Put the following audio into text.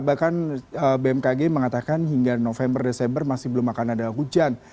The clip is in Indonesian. bahkan bmkg mengatakan hingga november desember masih belum akan ada hujan